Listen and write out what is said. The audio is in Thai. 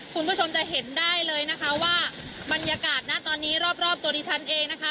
คุณผู้ชมจะเห็นได้เลยนะคะว่าบรรยากาศนะตอนนี้รอบรอบตัวดิฉันเองนะคะ